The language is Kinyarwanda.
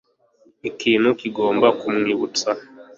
ikintu kigomba kumwibutsa